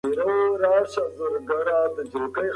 ماشومان له یخې هوا څخه وساتئ.